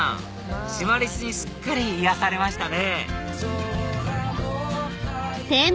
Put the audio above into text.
シマリスにすっかり癒やされましたね